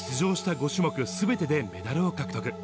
５種目すべてでメダルを獲得。